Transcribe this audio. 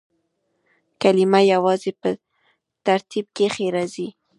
کلیمه یوازي یا په ترکیب کښي راځي.